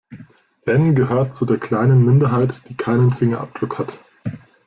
Ben gehört zu der kleinen Minderheit, die keinen Fingerabdruck hat.